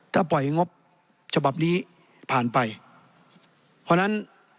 ถ้าปล่อยงบฉบับนี้ผ่านไปเพราะฉะนั้น